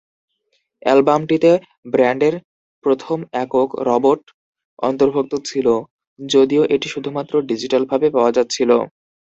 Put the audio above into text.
অ্যালবামটিতে ব্যান্ডের প্রথম একক, "রবট" অন্তর্ভুক্ত ছিল, যদিও এটি শুধুমাত্র ডিজিটালভাবে পাওয়া যাচ্ছিল।